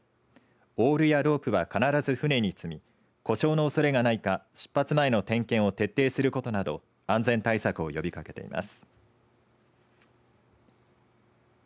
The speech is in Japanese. オールやロープは必ず船に積み故障のおそれがないか出発前の点検を徹底することなど安全対策を呼びかけています。